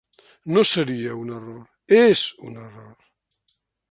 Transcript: No seria un error, és un error.